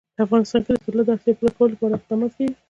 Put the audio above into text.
په افغانستان کې د طلا د اړتیاوو پوره کولو لپاره اقدامات کېږي.